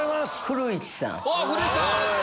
古市さん。